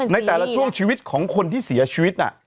ในแต่ละช่วงชีวิตของคนที่เสียชีวิตน่ะ